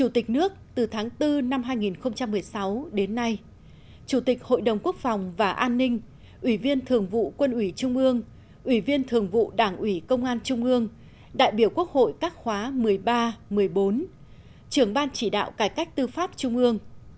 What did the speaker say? chủ tịch nước từ tháng bốn năm hai nghìn một mươi sáu đến nay chủ tịch hội đồng quốc phòng và an ninh ủy viên thường vụ quân ủy trung ương ủy viên thường vụ đảng ủy công an trung ương đại biểu quốc hội các khóa một mươi ba một mươi bốn trưởng ban chỉ đạo cải cách tư pháp trung ương